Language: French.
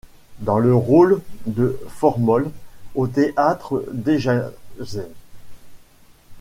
Dans le rôle de Formol au théâtre Dejazet.